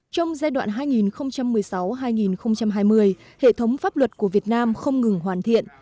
trong giai đoạn hai nghìn một mươi sáu hai nghìn hai mươi hệ thống pháp luật của việt nam không ngừng hoàn thiện